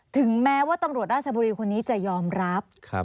ถึงแม้ว่าตำรวจราชบุรีคนนี้จะยอมรับ